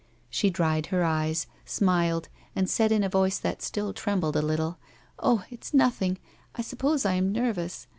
She dried her eyes, smiled, and said in a voice that still trembled a little :" Oh, it's nothing, I suppose I am nervous.